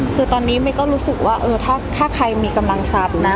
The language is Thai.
คือตอนนี้เมย์ก็รู้สึกว่าเออถ้าใครมีกำลังทรัพย์นะ